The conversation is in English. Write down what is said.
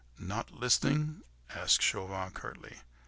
"Not listening?" asked Chauvelin, curtly.